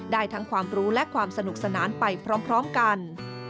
ได้ทั้งความรู้และความสนุกสนานไปพร้อมกัน